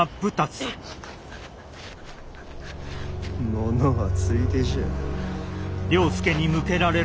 ものはついでじゃ。